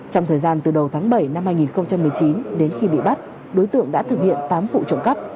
trong thời gian từ đầu tháng bảy năm hai nghìn một mươi chín đến khi bị bắt đối tượng đã thực hiện tám vụ trộm cắp